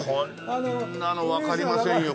こんなのわかりませんよ